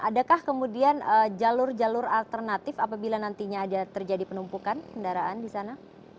adakah kemudian jalur jalur alternatif apabila nantinya ada terjadi penumpukan kendaraan di sana